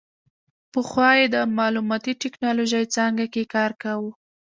پخوا یې د معلوماتي ټیکنالوژۍ څانګه کې کار کاوه.